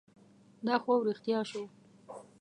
دا خوب رښتیا شو.